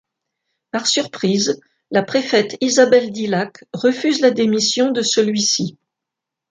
Par surprise, la préfète Isabelle Dilhac refuse la démission de celui-ci.